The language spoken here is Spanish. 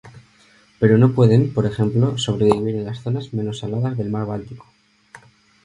Pero no pueden, por ejemplo, sobrevivir en las zonas menos saladas del mar Báltico.